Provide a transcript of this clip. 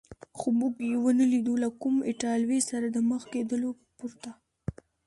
خو موږ یې و نه لیدو، له کوم ایټالوي سره د مخ کېدو پرته.